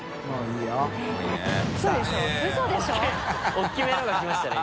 大きめのが来ましたね。